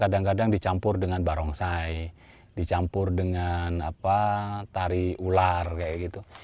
kadang kadang dicampur dengan barongsai dicampur dengan tari ular kayak gitu